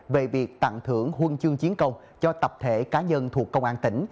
về việc tặng thưởng huân chương chiến công cho tập thể cá nhân thuộc công an tỉnh